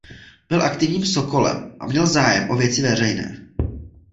Byl aktivním sokolem a měl zájem o věci veřejné.